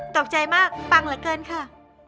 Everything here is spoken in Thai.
ตกใจมากปังเหลือเกินค่ะ